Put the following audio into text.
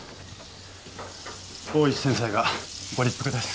大石先生がご立腹です。